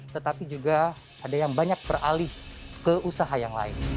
tetapi juga ada yang banyak beralih ke usaha yang lain